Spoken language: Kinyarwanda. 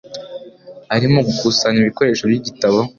Arimo gukusanya ibikoresho by'igitabo.